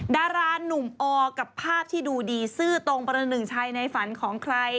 ดารานุ่มอกับภาพที่ดูดีซื่อตรงประหนึ่งชัยในฝันของใคร